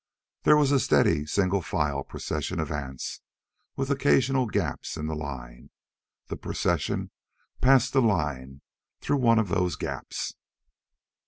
There was a steady, single file procession of ants, with occasional gaps in the line. The procession passed the line through one of those gaps.